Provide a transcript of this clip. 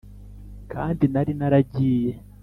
kandi nari naragiye